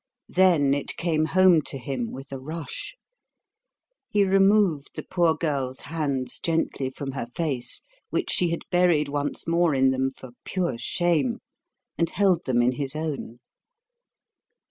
Then it came home to him with a rush. He removed the poor girl's hands gently from her face, which she had buried once more in them for pure shame, and held them in his own.